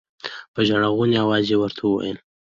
په ژړا غوني اواز يې ورته وويل.